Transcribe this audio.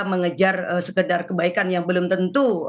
mengejar sekedar kebaikan yang belum tentu